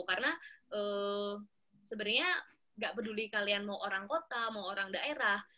karena sebenarnya gak peduli kalian mau orang kota mau orang daerah